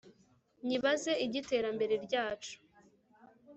Nyibaze ibyiterambere ryacu